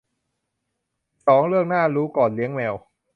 สิบสอง เรื่องน่ารู้ก่อนเลี้ยงแมว